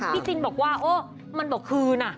จินบอกว่าโอ้มันบอกคืนอ่ะ